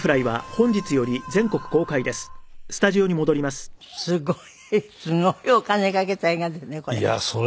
すごいすごいお金かけた映画だねこれ。